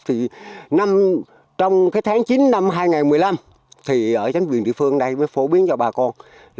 trong tháng chín năm hai nghìn một mươi năm ở tránh quyền địa phương mới phổ biến cho bà con